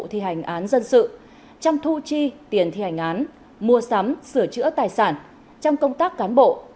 thi hành án dân sự trong thu chi tiền thi hành án mua sắm sửa chữa tài sản trong công tác cán bộ